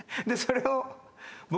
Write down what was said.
でそれを。